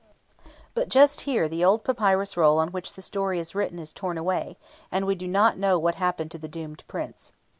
... But just here the old papyrus roll on which the story is written is torn away, and we do not know what happened to the Doomed Prince.